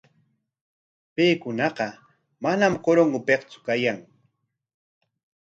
Paykunaqa manam Corongopiktsu kayan.